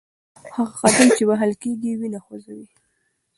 هغه قدم چې وهل کېږي وینه خوځوي.